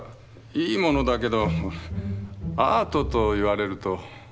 いいものだけどアートと言われるとねえ。